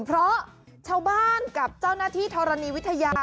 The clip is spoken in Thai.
เพราะชาวบ้านกับเจ้าหน้าที่ธรณีวิทยา